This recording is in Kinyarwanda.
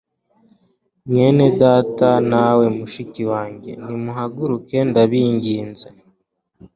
mwenedata nawe mushikiwanjye nimuhaguruke ndabinginze